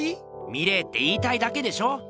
「見れ」って言いたいだけでしょ？